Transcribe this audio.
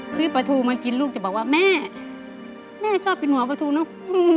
ซื้อปัทธุมากินลูกจะบอกว่าแม่แม่ชอบอีกหัวปัทธุเนาะ